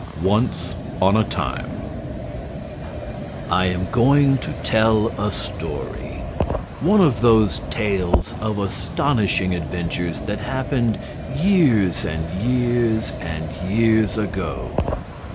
"Once on a Time" I am going to tell a story, one of those tales of astonishing adventures that happened years and years and years ago.